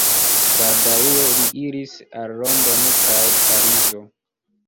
Baldaŭe li iris al Londono kaj Parizo.